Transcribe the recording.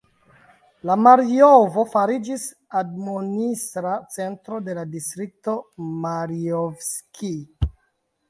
La Marjovo fariĝis admonistra centro de la distrikto Marjovskij.